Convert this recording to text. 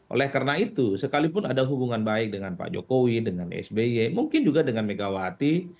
oleh karena itu sekalipun ada hubungan baik dengan pak jokowi dengan sby mungkin juga dengan megawati